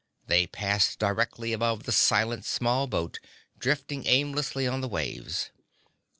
They passed directly above the silent small boat, drifting aimlessly on the waves.